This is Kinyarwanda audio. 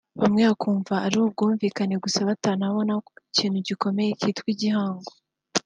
bamwe bakumva ari nk’ubwumvikane gusa batabonamo ikintu gikomeye kitwa igihango